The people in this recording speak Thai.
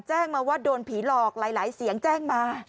แจ้งมาว่าโดนผีหลอกหลายเสียงแจ้งมา